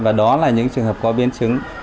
và đó là những trường hợp có biến chứng